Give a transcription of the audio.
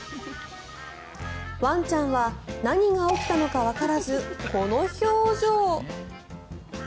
ワンちゃんは何が起きたのかわからずこの表情。